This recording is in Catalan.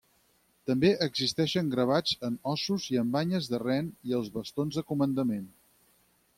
També existeixen gravats en ossos i en banyes de ren i als bastons de comandament.